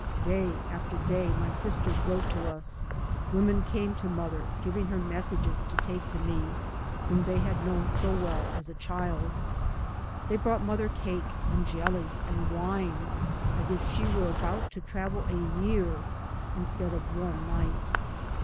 Day after day, my sisters wrote to us, women came to mother, giving her messages to take to me, whom they had known so well as a child. [They brought mother cake, and jellies, and wines, as if she were about to travel a year instead of one night.